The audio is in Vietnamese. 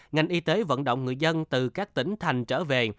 ngành y tế vận động người dân từ các tỉnh thành trở về